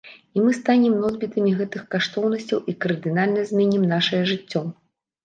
І мы станем носьбітамі гэтых каштоўнасцяў і кардынальна зменім нашае жыццё.